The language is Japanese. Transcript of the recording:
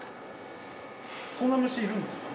そんな虫いるんですか？